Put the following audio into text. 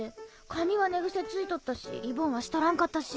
髪は寝癖ついとったしリボンはしとらんかったし。